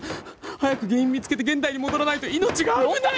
早く原因見つけて現代に戻らないと命が危ない！